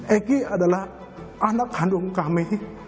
eki adalah anak kandung kami